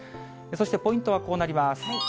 そしてポイントはこうなります。